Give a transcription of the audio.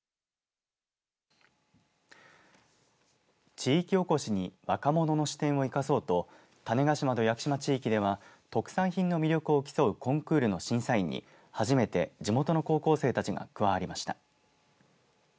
地域おこしに若者の視点を生かそうと種子島と屋久島地域では特産品の魅力を競うコンクールの審査員に初めて地元の高校生たちが加わりました。